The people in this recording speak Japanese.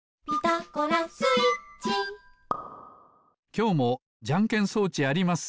きょうもじゃんけん装置あります。